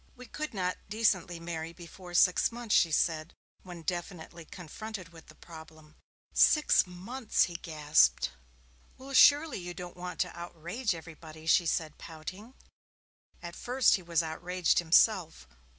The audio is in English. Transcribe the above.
'We could not decently marry before six months,' she said, when definitely confronted with the problem. 'Six months!' he gasped. 'Well, surely you don't want to outrage everybody,' she said, pouting. At first he was outraged himself.